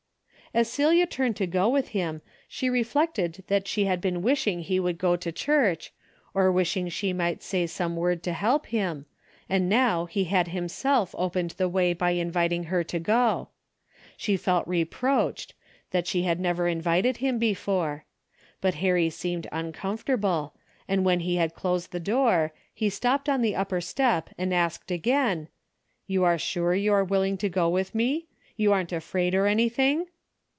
As Celia turned to go with him, she reflected that she had been wishing he would go to church, or wishing she might say some word to help him, and now he had himself opened the way by inviting her to go. She felt reproached, that she had never invited him before. But Harry seemed uncomfortable, and when he had closed the door, he stopped on the upper step and asked again, " You are sure you are willing to go with me? You aren't afraid or anything